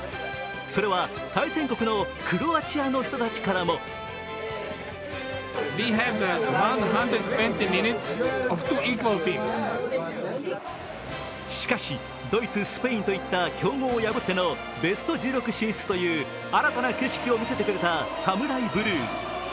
それは対戦国のクロアチアの人たちからもしかしドイツ、スペインといった強豪を破ってのベスト１６進出という新たな景色を見せてくれたサムライブルー。